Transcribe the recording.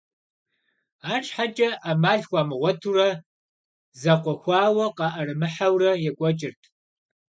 АрщхьэкӀэ Ӏэмал хуамыгъуэтурэ, зэкъуэхуауэ къаӀэрымыхьэурэ екӀуэкӀырт.